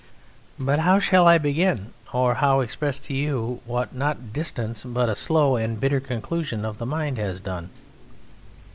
But how shall I begin, or how express to you what not distance but a slow and bitter conclusion of the mind has done?